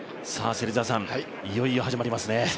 いよいよ、始まりますね。